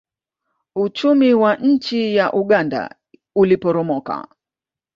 uchumi wa nchi ya uganda uliporomoka